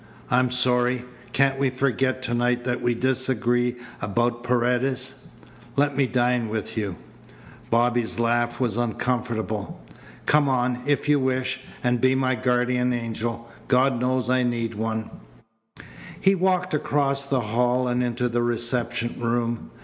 "I'm sorry. Can't we forget to night that we disagree about Paredes? Let me dine with you." Bobby's laugh was uncomfortable. "Come on, if you wish, and be my guardian angel. God knows I need one." He walked across the hall and into the reception room.